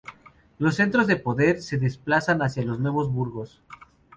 Los centros de poder se desplazan hacia los nuevos burgos.